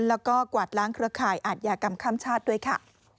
แล้วก็กวาดล้างเครือข่ายอาทยากรรมข้ามชาติด้วยค่ะ